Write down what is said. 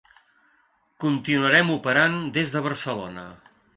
Continuarem operant des de Barcelona.